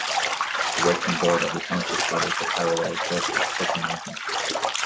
The western border of the township follows the parallel crest of Tussey Mountain.